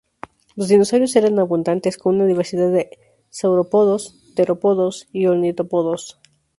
Los dinosaurios eran abundantes, con una diversidad de saurópodos, terópodos y ornitópodos.